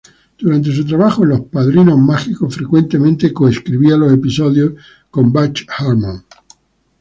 Durante su trabajo en Los Padrinos Mágicos, frecuentemente, co-escribía los episodios con Butch Hartman.